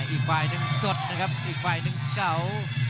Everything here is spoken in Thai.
อีกฝ่ายหนึ่งสดนะครับอีกฝ่ายหนึ่งเก่า